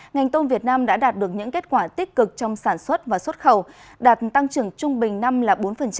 ngành tôm việt nam đã đạt được những kết quả tích cực trong sản xuất và xuất khẩu đạt tăng trưởng trung bình năm là bốn